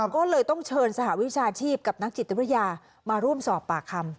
ก็เลยต้องเชิญสหวิชาชีพกับนักจิตวิทยามาร่วมสอบปากคำ